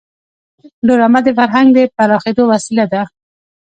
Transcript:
ډرامه د فرهنګ د پراخېدو وسیله ده